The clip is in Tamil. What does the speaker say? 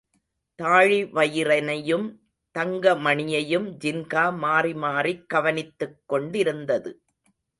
தாழிவயிறனையும் தங்க மணியையும் ஜின்கா மாறி மாறிக் கவனித்துக்கொண்டிருந்தது.